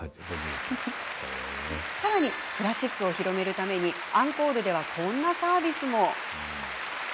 さらにクラシックを広めるためにアンコールではこんなサービスも。